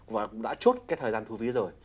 và cũng đã chốt cái thời gian thu phí rồi